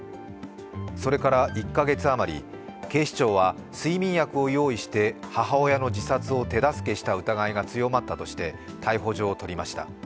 それから１か月余り警視庁は睡眠薬を用意して母親の自殺を手助けした疑いが強まったとして、逮捕状を取りました。